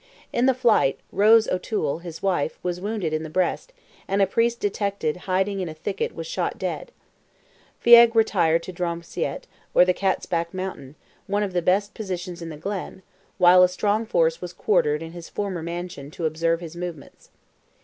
In the flight, Rose O'Toole, his wife, was wounded in the breast, and a priest detected hiding in a thicket was shot dead. Feagh retired to Dromceat, or the Cat's back Mountain—one of the best positions in the Glen—while a strong force was quartered in his former mansion to observe his movements.